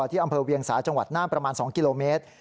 ที่อำเภอเวียงสาจังหวัดน่านประมาณ๒กิโลเมตร